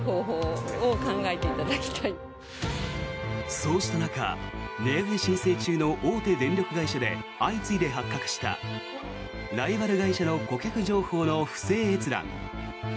そうした中値上げ申請中の大手電力会社で相次いで発覚したライバル会社の顧客情報の不正閲覧。